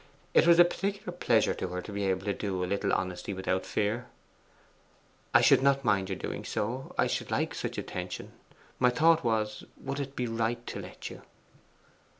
It was a particular pleasure to her to be able to do a little honesty without fear. 'I should not mind your doing so I should like such an attention. My thought was, would it be right to let you?